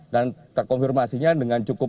dan terkonfirmasinya dengan cukup